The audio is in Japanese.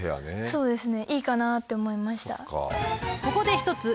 そうですね。